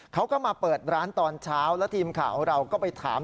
เขาก็มาเปิดร้านตอนเช้าแล้วทีมข่าวของเราก็ไปถาม